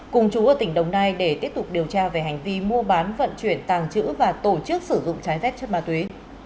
cùng chú ở tỉnh đồng nai để tiếp tục điều tra về hành vi mua bán vận chuyển tàng trữ và tổ chức sử dụng trái phép chất ma túy